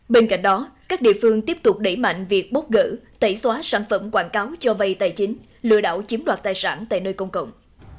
bên cạnh đó các địa phương tiếp tục đẩy mạnh việc bóc gỡ tẩy xóa sản phẩm quảng cáo cho vay tài chính lừa đảo chiếm đoạt tài sản tại nơi công cộng